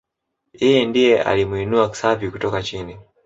yeye ndiye alimwinua Xavi kutoka chini